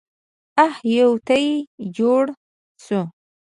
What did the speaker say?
اح يوه تې جوړه شوه.